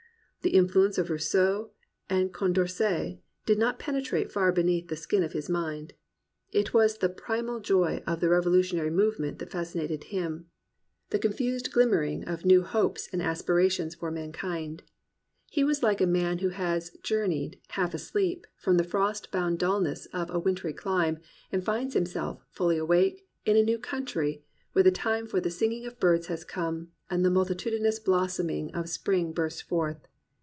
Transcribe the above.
The influence of Rousseau and Condorcet did not pene trate far beneath the skin of his mind. It was the primal joy of the Revolutionary movement that fascinated him, — the confused ghmmering of new 195 COMPANIONABLE BOOKS hopes and aspirations for mankind. He was like a man who has journeyed, half asleep, from the frost bound dulness of a wintry clime, and finds himself, fully awake, in a new country, where the time for the singing of birds has come, and the mul titudinous blossoming of spring bursts forth.